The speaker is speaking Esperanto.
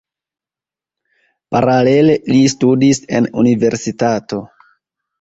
Paralele li studis en universitato.